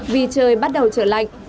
vì trời bắt đầu trở lạnh